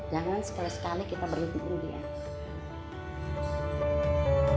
jangan sekali sekali kita berhenti henti ya